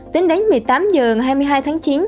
tính đến một mươi tám h ngày hai mươi hai tháng chín